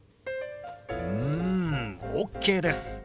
うんＯＫです。